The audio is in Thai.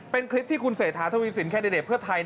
เป็นคลิปที่คุณเศรษฐาทวีสินแคนดิเดตเพื่อไทย